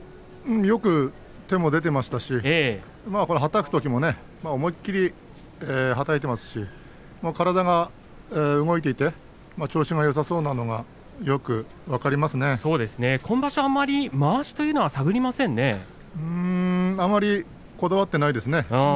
よく手も出ていましたしはたくときにも思い切りはたいていますし体が動いていて調子がよさそう今場所はあまりあまりこだわっていないですね。